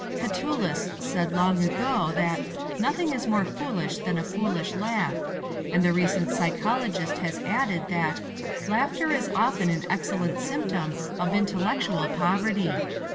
Catullus said long ago that "nothing is more foolish than a foolish laugh," and a recent" French psychologist has added that "laughter Is often an excellent symptom of intellectual poverty."